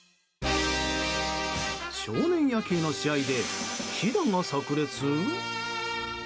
少年野球の試合で秘打がさく裂？